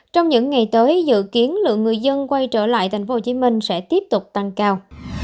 trong những ngày tới dự kiến lượng người dân quay trở lại thành phố hồ chí minh sẽ tiếp tục tăng cao